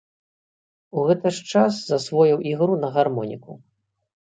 У гэты ж час засвоіў ігру на гармоніку.